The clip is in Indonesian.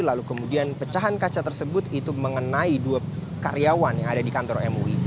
lalu kemudian pecahan kaca tersebut itu mengenai dua karyawan yang ada di kantor mui